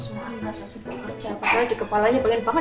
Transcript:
susah susah bekerja padahal di kepalanya pengen banget